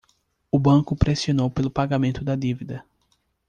O banco pressionou pelo pagamento da dívida.